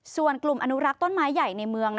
ส่วนกลุ่มอนุรักษ์ต้นไม้ใหญ่ในเมือง